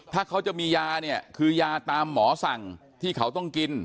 ถ้าเขาจะมียาเนี่ยคือยาตามหมอสั่งที่เขาต้องกิน